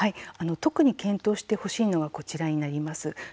特に検討してほしいのがこちらになります。